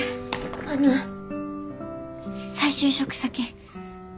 あの再就職先探す